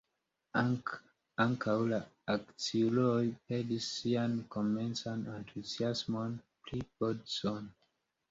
Ankaŭ la akciuloj perdis sian komencan entuziasmon pri Bodson.